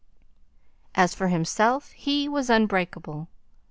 As for himself, he was unbreakable.